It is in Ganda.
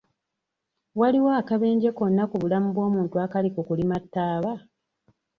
Waliwo akabenje konna ku bulamu bw'omuntu akali mu kulima taaba?